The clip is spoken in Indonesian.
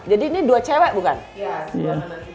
jadi ini dua cewek bukan ya